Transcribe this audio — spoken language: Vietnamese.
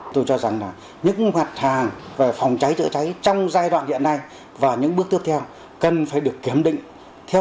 tôi cho rằng là những mặt hàng về phòng cháy chữa cháy trong giai đoạn hiện nay và những bước tiếp theo cần phải được kiểm định